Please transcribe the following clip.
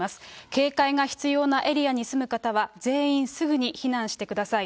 警戒が必要なエリアに住む方は全員すぐに避難してください。